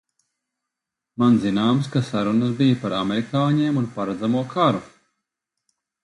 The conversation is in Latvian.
Man zināms, ka sarunas bij par amerikāņiem un paredzamo karu!